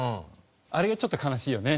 あれがちょっと悲しいよね。